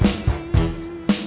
ya ini lagi serius